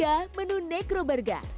menu nekotik ini menyebutnya bikro burger